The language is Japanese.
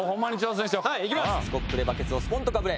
スコップでバケツをスポンとかぶれ！